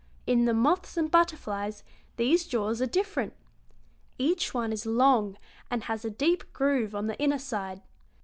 In the moths and butterflies these jaws are different. Each one is long, and has a deep groove on the inner side.